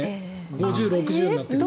５０、６０になってくると。